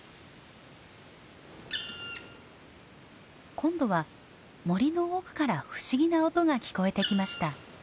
今度は森の奥から不思議な音が聞こえてきました。